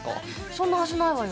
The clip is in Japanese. そんなはずないわよ。